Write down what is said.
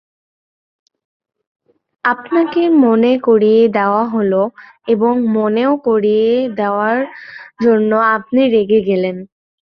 আপনাকে মনে করিয়ে দেয়া হল, এবং মনেও করিয়ে দেওয়ার জন্য আপনি রেগে গেলেন।